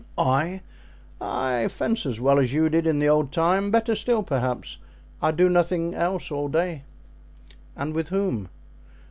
"I—I fence as well as you did in the old time—better still, perhaps; I do nothing else all day." "And with whom?"